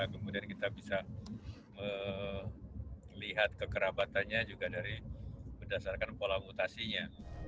kemudian kita bisa melihat kekerabatannya juga dari berdasarkan pola mutasinya